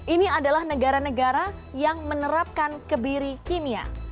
ini adalah negara negara yang menerapkan kebiri kimia